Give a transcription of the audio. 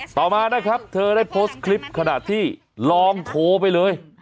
ต่อมานะครับเธอได้โพสต์คลิปขณะที่ลองโทรไปเลย